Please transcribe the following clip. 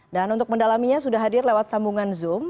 dan untuk mendalaminya sudah hadir lewat sambungan zoom